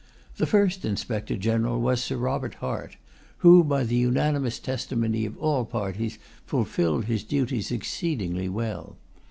The first Inspector General was Sir Robert Hart, who, by the unanimous testimony of all parties, fulfilled his duties exceedingly well.